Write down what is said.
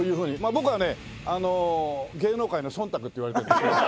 僕はね「芸能界のソンタク」っていわれているんですけどね。